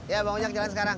ya bangun ya kejalan sekarang